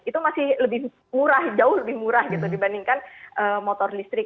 itu masih lebih murah jauh lebih murah gitu dibandingkan motor listrik